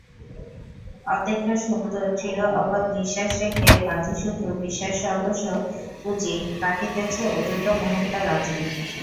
অদেখা সুন্দর চিরঅবাধ নিশ্বাস রেখে বাজিশুধু বিশ্বাস সর্বস্ব পুঁজি, কাটিতেছে অযুত মুহূর্ত রাজি।